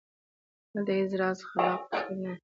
دلته هېڅ راز خلاق تخریب نه و.